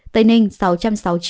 tây ninh sáu trăm sáu mươi chín